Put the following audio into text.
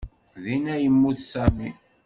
Din ay yemmut Sami.